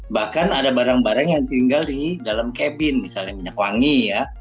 bahkan ada barang barang yang tinggal di dalam cabin misalnya minyak wangi ya